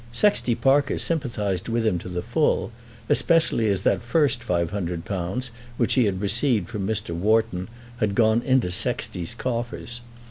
Sexty Parker sympathised with him to the full, especially as that first £500, which he had received from Mr. Wharton, had gone into Sexty's coffers.